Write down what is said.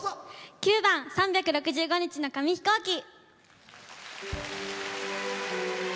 ９番「３６５日の紙飛行機」。